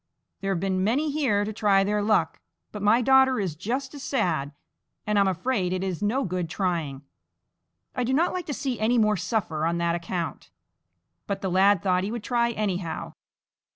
There have been many here to try their luck, but my daughter is just as sad, and I am afraid it is no good trying. I do not like to see any more suffer on that account." But the lad thought he would try anyhow.